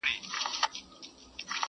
خدایه زخم مي ناصور دی مسیحا در څخه غواړم٫